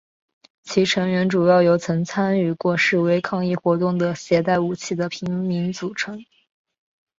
其成员主要由曾参与过示威抗议活动的携带武器的平民组成。